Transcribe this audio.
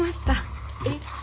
えっ？